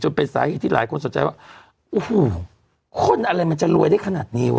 เป็นสาเหตุที่หลายคนสนใจว่าโอ้โหคนอะไรมันจะรวยได้ขนาดนี้วะ